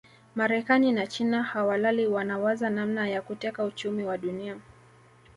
Marekani na China hawalali wanawaza namna ya kuteka uchumi wa Dunia